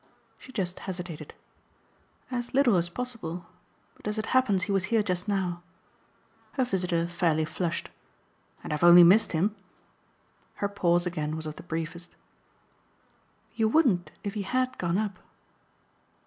She just hesitated. "As little as possible. But as it happens he was here just now." Her visitor fairly flushed. "And I've only missed him?" Her pause again was of the briefest. "You wouldn't if he HAD gone up."